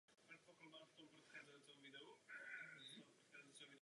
V tomto světle se podpora rozvojových zemí jeví jako falešná.